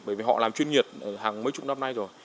bởi vì họ làm chuyên nhiệt hàng mấy chục năm nay rồi